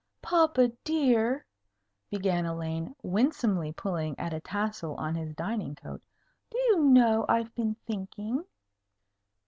"Papa, dear," began Elaine, winsomely pulling at a tassel on his dining coat, "do you know, I've been thinking."